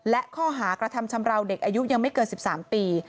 และข้อหากระทำชำราวเด็กอายุยังไม่เกิน๑๓ปี